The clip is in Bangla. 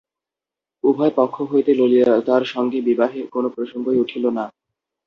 উভয় পক্ষ হইতেই ললিতার সঙ্গে বিবাহের কোনো প্রসঙ্গই উঠিল না।